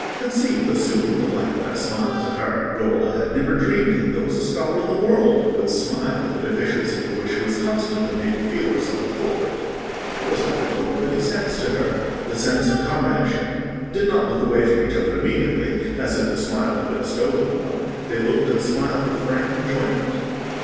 Conceive the soothing delight of that smile to her! Romola had never dreamed that there was a scholar in the world who would smile at a deficiency for which she was constantly made to feel herself a culprit. It was like the dawn of a new sense to her—the sense of comradeship. They did not look away from each other immediately, as if the smile had been a stolen one; they looked and smiled with frank enjoyment.